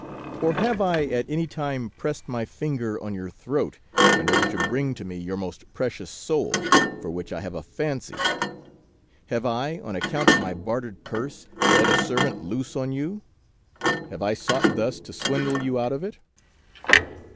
Or have I at any time pressed my finger on your throat in order to bring to me your most precious soul, for which I have a fancy Have I, on account of my bartered purse, let a servant loose on you ? Have I sought thus to swindle you out of it